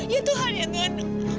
ya tuhan ya tuhan